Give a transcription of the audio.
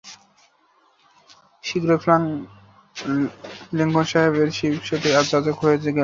শীঘ্রই ফ্রাঙ্ক লিংকনশায়ারের সিবসেতে যাজক হয়ে গেলেন।